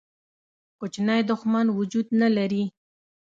کوچنی دښمن وجود نه لري.